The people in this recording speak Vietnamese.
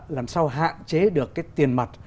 làm sao hạn chế được cái tiền mặt